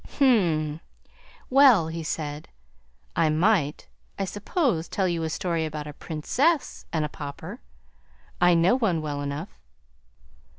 "Hm m; well," he said, "I might, I suppose, tell you a story about a PRINCESS and a Pauper. I know one well enough."